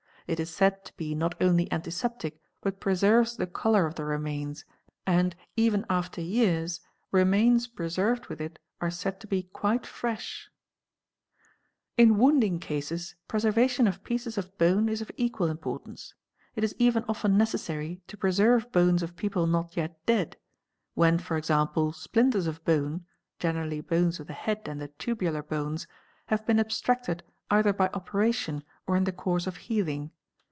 It 1s said to be not only antiseptic but preserves the colour of the remains, and, even after years, remains preserved with it are said to be quite fresh "971%, In wounding cases preservation of pieces of bone is of equal import ance. It is even often necessary to preserve bones of people not yet dead ; when e.g., splinters of bone (generally bones of the head and the tubular bones) have been abstracted either by operation or in the course of healing.